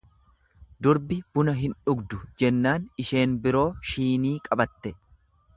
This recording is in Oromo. Durbi buna hin dhugdu jennaan, isheen biroo shiinii qabatte.